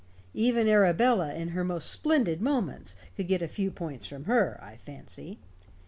Even Arabella, in her most splendid moments, could get a few points from her, I fancy.